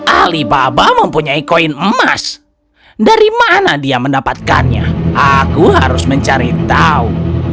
alibaba mempunyai koin emas dari mana dia mendapatkannya aku harus mencari tahu